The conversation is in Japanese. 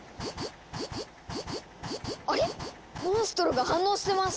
あれ⁉モンストロが反応してます！